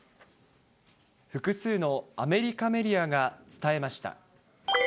複数のアメリカメディアが伝えました。